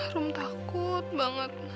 rom takut banget